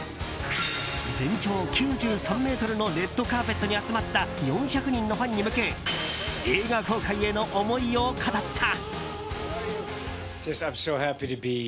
全長９３ｍのレッドカーペットに集まった４００人のファンに向け映画公開への思いを語った。